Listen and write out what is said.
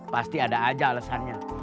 pasti ada aja alesannya